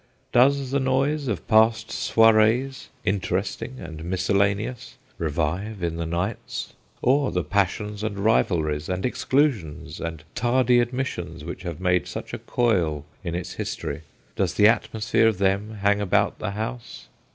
Does the noise of past * soirees/ interesting and miscellaneous, revive in the nights ? Or the passions and rivalries and exclusions and tardy admissions which have made such a coil in its history does the atmosphere of them hang about the house